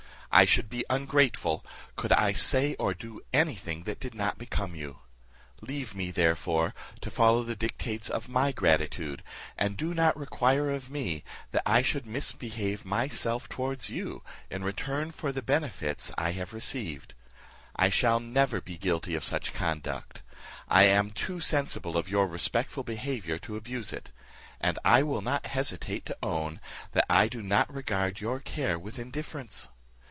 I should be ungrateful, could I say or do any thing that did not become you. Leave me, therefore, to follow the dictates of my gratitude, and do not require of me, that I should misbehave myself towards you, in return for the benefits I have received. I shall never be guilty of such conduct; I am too sensible of your respectful behaviour to abuse it; and I will not hesitate to own, that I do not regard your care with indifference.